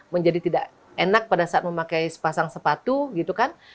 menjadi tidak enak pada saat memakai sepasang sepatu gitu kan